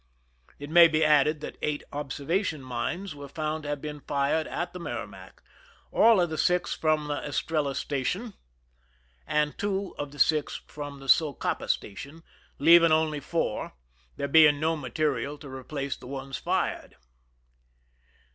It may be added that eight ob servation mines were found to have been fired at the Merrimac —all of the six from the Estrella station, and two of the six from the Socapa station, leaving only four, there being no material to replace the ones fired.